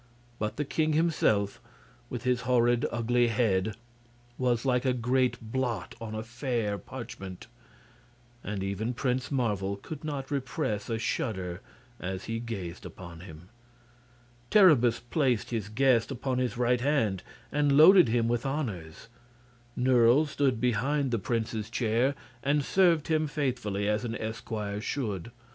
But the king himself, with his horrid, ugly head, was like a great blot on a fair parchment, and even Prince Marvel could not repress a shudder as he gazed upon him. Terribus placed his guest upon his right hand and loaded him with honors. Nerle stood behind the prince's chair and served him faithfully, as an esquire should.